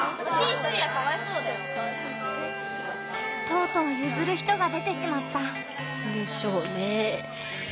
とうとうゆずる人が出てしまった。でしょうね。